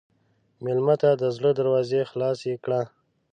مېلمه ته د زړه دروازه خلاصه کړه.